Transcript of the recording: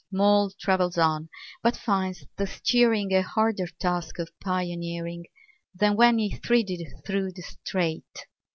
Mole travels on, but finds the steering A harder task of pioneering Than when he thridded through the strait.